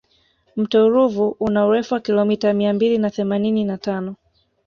mto ruvu una urefu wa kilomita mia mbili na themanini na tano